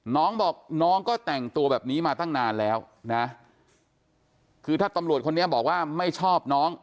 น้องบอกน้องก็แต่งตัวแบบนี้มาตั้งนานแล้วนะคือถ้าตำรวจคนนี้บอกว่าไม่ชอบน้อง